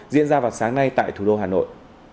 diễn ra vào sáng nay tại thủ đô hà nội